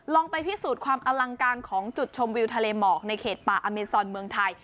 ไปพิสูจน์ความอลังการของจุดชมวิวทะเลหมอกในเขตป่าอเมซอนเมืองไทย